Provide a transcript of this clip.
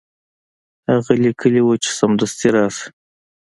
هغه لیکلي وو چې سمدستي راشه.